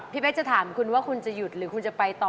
เป๊กจะถามคุณว่าคุณจะหยุดหรือคุณจะไปต่อ